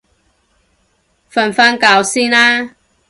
瞓返覺先啦